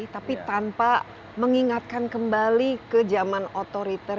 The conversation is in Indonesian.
tapi tanpa mengingatkan kembali ke zaman otoriter